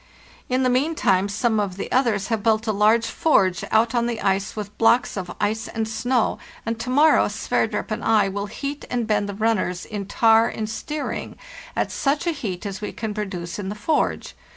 In the meantime some of the others have built a large forge out on the ice with blocks of ice and snow, and to morrow Sverdrup and I will heat and bend the runners in tar and stearine at such a heat as we can produce in the forge.